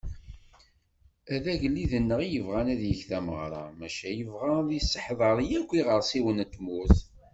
A d agellid-nneγ i yebγan ad yeg tameγra, maca yebγa ad yesseḥdeṛ yakk iγersiwen n tmurt.